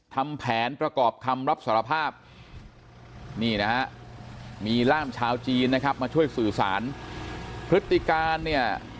ทำแผนประกอบคำรับสารภาพนี่นะฮะมีร่ามชาวจีนนะครับมาช่วยสื่อสารพฤติการเนี่ย